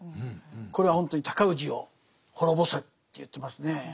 これはほんとに尊氏を滅ぼせと言ってますね。